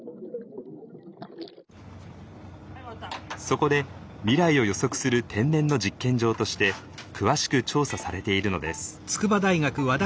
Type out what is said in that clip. そこで未来を予測する天然の実験場として詳しく調査されているのです。